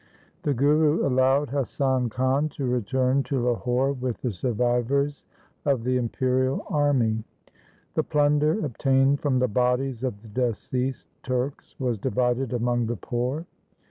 The Guru allowed Hasan Khan to return to Lahore with the survivors of the imperial army. LIFE OF GURU HAR GOBIND 187 The plunder obtained from the bodies of the deceased Turks was divided among the poor.